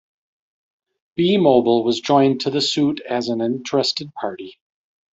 "B"mobile was joined to the suit as an interested party.